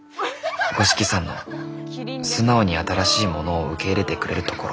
「五色さんの素直に新しいものを受け入れてくれるところ」。